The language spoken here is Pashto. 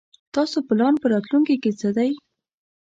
تاسو پلان په راتلوونکي کې څه دی ؟